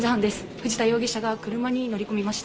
藤田容疑者が車に乗り込みました。